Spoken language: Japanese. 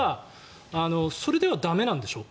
それでは駄目なんでしょ。